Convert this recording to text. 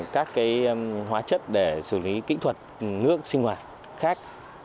các hóa chất để xử lý kỹ thuật nước sinh hoạt khác